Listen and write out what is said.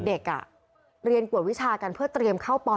เด็กเรียนกวดวิชากันเพื่อเตรียมเข้าป๑